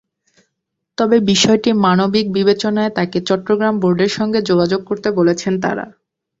তবে বিষয়টি মানবিক বিবেচনায় তাকে চট্টগ্রাম বোর্ডের সঙ্গে যোগাযোগ করতে বলেছেন তাঁরা।